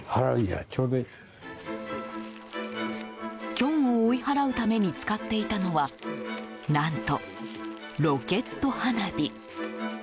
キョンを追い払うために使っていたのは何と、ロケット花火。